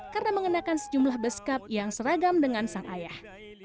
karena mengenakan sejumlah beskap yang seragam dengan sang ayah